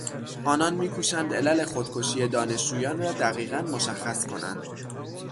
آنان میکوشند علل خودکشی دانشجویان را دقیقا مشخص کنند.